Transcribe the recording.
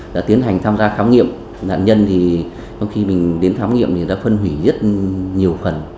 đã tiến hành tham gia thám nghiệm nạn nhân thì trong khi mình đến thám nghiệm thì đã phân hủy rất nhiều phần